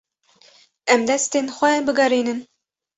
Em destên xwe bigerînin.